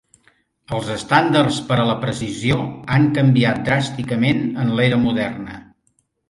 Els estàndards per a la precisió han canviat dràsticament en l'era moderna.